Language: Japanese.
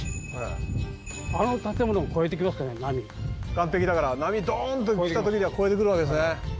岸壁だから波ドーンと来た時には越えてくるわけですね。